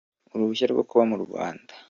Uruhushya rwo Kuba mu Rwanda.